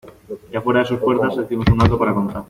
ya fuera de sus puertas hicimos un alto para contarnos.